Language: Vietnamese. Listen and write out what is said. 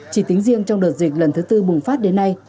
chỉ tính riêng trong đợt dịch lần thứ tư bùng phát đến nay